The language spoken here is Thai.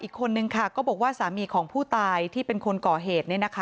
อีกคนนึงค่ะก็บอกว่าสามีของผู้ตายที่เป็นคนก่อเหตุ